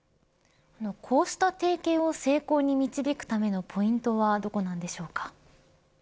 こうした提携を成功に導くためのポイントはどこなんでしょうか。